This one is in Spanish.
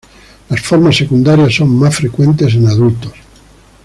Las formas secundarias son más frecuentes en adultos.